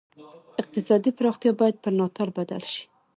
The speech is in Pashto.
اقتصادي پراختیا باید پر ناتال بدل شي.